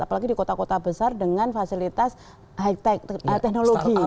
apalagi di kota kota besar dengan fasilitas high tech technology